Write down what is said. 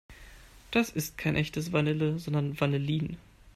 Das ist kein echtes Vanille, sondern Vanillin.